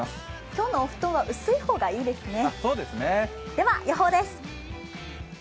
今日のお布団は薄い方がいいですね。